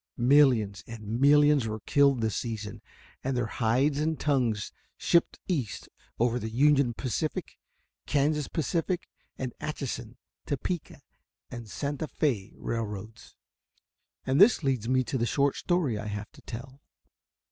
Millions and millions were killed this season, and their hides and tongues shipped east over the Union Pacific, Kansas Pacific, and Atchison, Topeka and Santa Fé railroads, and this leads me to the short story I have to tell.